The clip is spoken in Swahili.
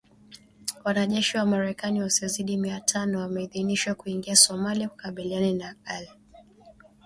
Wanajeshi wa Marekani wasiozidi mia tano wameidhinishwa kuingia Somalia kukabiliana na Al Shabaab.